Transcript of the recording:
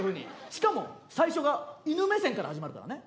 しかも最初が犬目線から始まるからね。